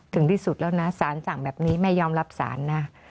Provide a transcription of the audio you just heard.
ถึงที่สุดแล้วนะสารสั่งแบบนี้แม่ยอมรับศาลนะ